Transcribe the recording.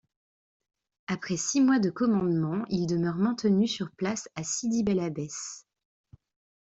Après six mois de commandement, il demeure maintenu sur place à Sidi-bel-Abbès.